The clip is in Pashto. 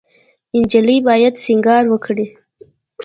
انجلۍ باید سینګار وکړي.